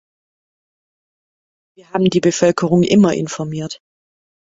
Wir haben die Bevölkerung immer informiert.